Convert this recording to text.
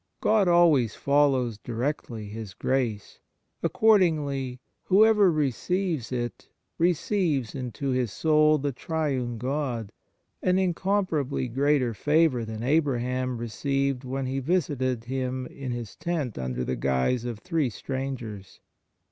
God always follows directly His grace; accordingly, whoever receives it receives into his soul the Triune God, an incomparably greater favour than Abraham received when He visited him in his tent under the guise of three strangers.